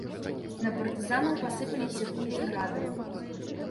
На партызанаў пасыпаліся кулі градам.